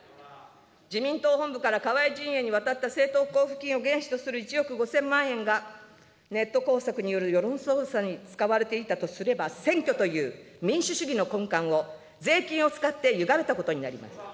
自民党本部から河井陣営に渡った政党交付金を原資とする１億５０００万円がネット工作による世論操作に使われていたとすれば、選挙という民主主義の根幹を、税金を使ってゆがめたことになります。